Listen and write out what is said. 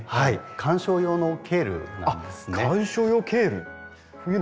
観賞用のケールなんですね。